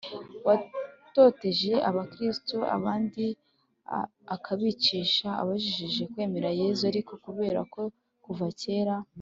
watoteje abakristu, abandi akabicisha abajijije kwemera yezu, ariko kubera ko kuva kera